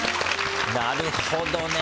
なるほどね！